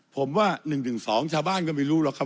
ผมว่า๑๑๒ชาวบ้านก็ไม่รู้หรอกครับ